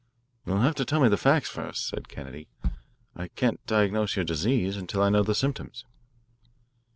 "You'll have to tell me the facts first," said Kennedy. "I can't diagnose your disease until I know the symptoms."